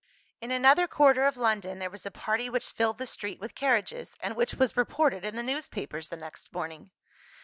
In another quarter of London, there was a party which filled the street with carriages, and which was reported in the newspapers the next morning.